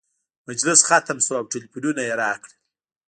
مجلس ختم شو او ټلفونونه یې راکړل.